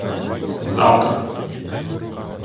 — Взавтра.